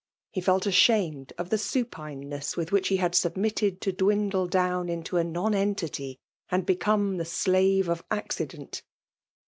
He felt ashamed of the supineness with which he had submitted to dwindle down into a nonentity^ and became the slave of accident.